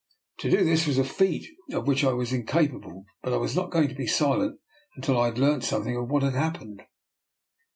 To do this was a feat of which I was in capable, but I was not going to be silent until I had learnt something of what had happened.